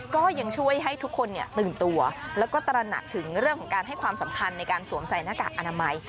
ก็ยังช่วยให้ทุกคนตื่นตัวแล้วก็ตระหนักถึงเรื่องของการให้ความสำคัญในการสวมใส่หน้ากากอนามัย